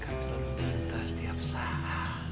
kamu selalu tertas tiap saat